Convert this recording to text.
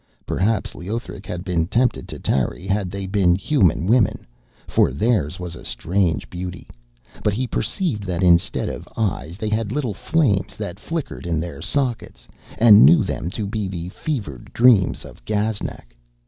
Perhaps Leothric had been tempted to tarry had they been human women, for theirs was a strange beauty, but he perceived that instead of eyes they had little flames that flickered in their sockets, and knew them to be the fevered dreams of Gaznak.